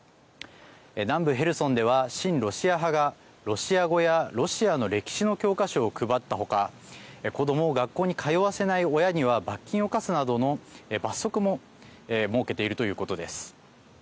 南部ヘルソンでは、親ロシア派がロシア語やロシアの歴史の教科書を配った他子どもを学校に通わせない親には罰金を科すなどの罰則も設けているということです。